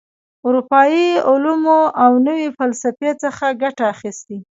اروپايي علومو او نوي فسلفې څخه یې ګټه اخیستې.